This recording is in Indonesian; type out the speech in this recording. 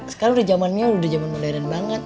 sekarang udah zamannya udah zaman modern banget